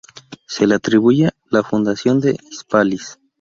Se le atribuye la fundación de Hispalis.